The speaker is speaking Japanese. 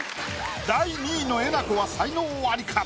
第２位のえなこは才能アリか？